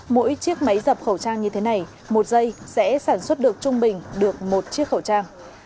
mỗi chiếc máy dập khẩu trang như thế này một giây sẽ sản xuất được trung bình được một chiếc khẩu trang